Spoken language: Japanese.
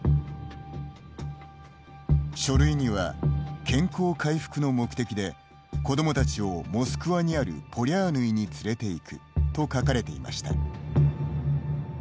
書類には「健康回復の目的で子どもたちをモスクワにあるポリャーヌイに連れていく」と書かれていました。